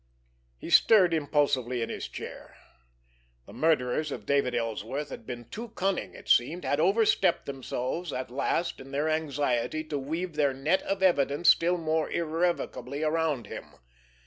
He stirred impulsively in his chair. The murderers of David Ellsworth had been too cunning, it seemed, had overstepped themselves at last in their anxiety to weave their net of evidence still more irrevocably around him.